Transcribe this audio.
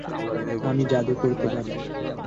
আমি জাদু করতে পারি।